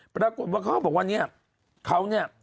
ปรากฏว่าเขาบอกว่าเค้าน่ะ